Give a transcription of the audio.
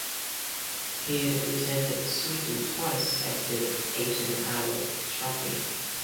He represented Sweden twice at the Eisenhower Trophy.